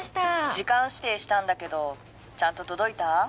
時間指定したんだけどちゃんと届いた？